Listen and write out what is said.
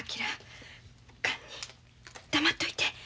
黙っといて。